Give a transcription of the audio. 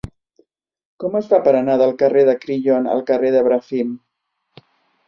Com es fa per anar del carrer de Crillon al carrer de Bràfim?